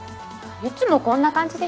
いつもこんな感じでしょ。